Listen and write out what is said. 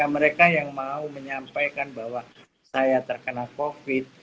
mereka yang mau menyampaikan bahwa saya terkena covid